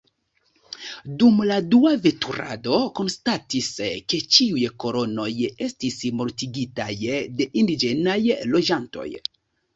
Dum la dua veturado konstatis ke ĉiuj kolonoj estis mortigitaj de indiĝenaj loĝantoj.